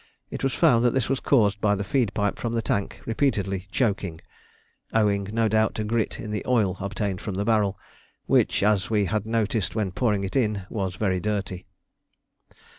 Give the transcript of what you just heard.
It was found that this was caused by the feed pipe from the tank repeatedly choking, owing, no doubt, to grit in the oil obtained from the barrel, which, as we had noticed when pouring it in, was very dirty.